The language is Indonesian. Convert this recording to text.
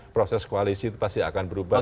proses koalisi itu pasti akan berubah